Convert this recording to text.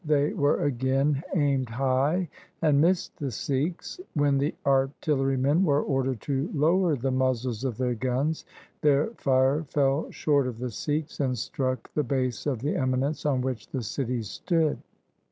They were again aimed high and missed the Sikhs. When the artillerymen were ordered to lower the muzzles of their guns, their fire fell short of the Sikhs, and struck the base of the eminence on which the city stood.